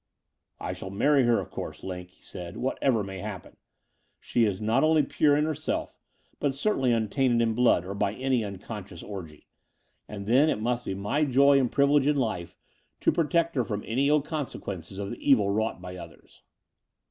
"I shall marry her, of course. Line," he said, "whatever may happen. She is not only pure in herself, but certainly untainted in blood or by any unconscious orgy: and it must be my joy and The Dower House 305 privilege in life to protect her from any ill conse quences of the ^vil wrought by others."